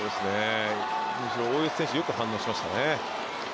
むしろ大吉選手よく反応しましたね。